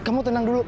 kamu tenang dulu